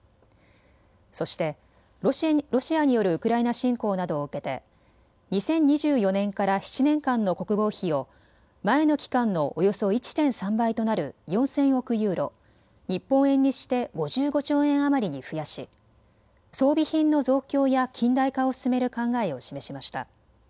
そしてロシアによるウクライナ侵攻などを受けて２０２４年から７年間の国防費を前の期間のおよそ１．３倍となる４０００億ユーロ、日本円にして５５兆円余りに増やし装備品の増強や近代化を進める考えを示しました。